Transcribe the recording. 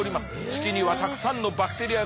土にはたくさんのバクテリアがいる。